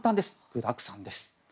具だくさんです。